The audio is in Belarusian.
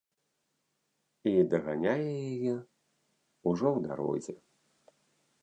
І даганяе яе ўжо ў дарозе.